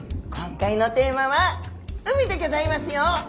今回のテーマは「海」でぎょざいますよ。